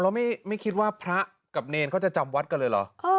แล้วไม่คิดว่าพระกับเนรเขาจะจำวัดกันเลยเหรอ